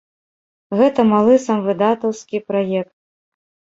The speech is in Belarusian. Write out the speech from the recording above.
Гэта малы самвыдатаўскі праект.